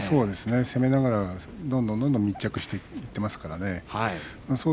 攻めながら、どんどんどんどん密着していますからね。